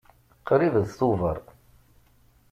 Qrib d Tubeṛ.